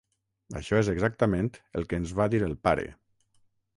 Això és exactament el que ens va dir el pare.